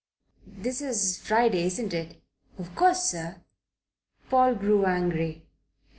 "This is Friday, isn't it?" "Of course, sir." Paul grew angry.